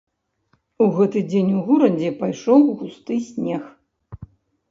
У гэты дзень у горадзе пайшоў густы снег.